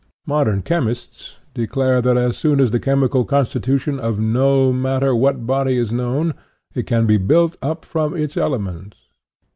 Modern chemists declare that as soon as the chemical constitution of no mat ter what body is known, it can be built up from its elements.